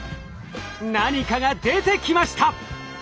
何かが出てきました！